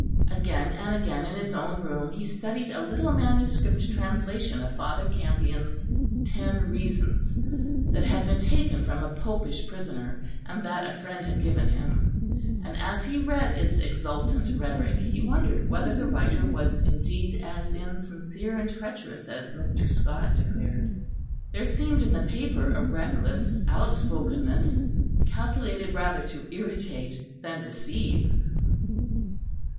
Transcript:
Again and again in his own room he studied a little manuscript translation of Father Campion's "Ten Reasons," that had been taken from a popish prisoner, and that a friend had given him; and as he read its exultant rhetoric, he wondered whether the writer was indeed as insincere and treacherous as Mr. Scot declared. There seemed in the paper a reckless outspokenness, calculated rather to irritate than deceive.